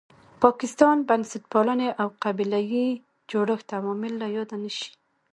پاکستان، بنسټپالنې او قبیله یي جوړښت عوامل له یاده نه شي.